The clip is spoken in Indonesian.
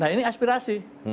nah ini aspirasi